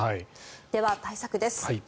では、対策です。